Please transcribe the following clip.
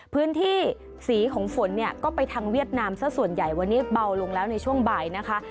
พื้นที่สีของฝนเนี่ยก็ไปทางเวียดนามซะส่วนใหญ่วันนี้เบาลงแล้วในช่วงบ่ายนะคะ